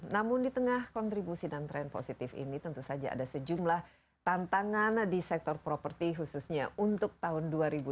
namun di tengah kontribusi dan tren positif ini tentu saja ada sejumlah tantangan di sektor properti khususnya untuk tahun dua ribu dua puluh